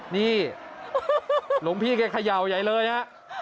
นี่หลวงพี่แกเขย่าใหญ่เลยฮะ